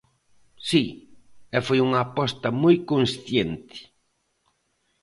Si, e foi unha aposta moi consciente.